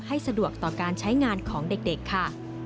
สะดวกต่อการใช้งานของเด็กค่ะ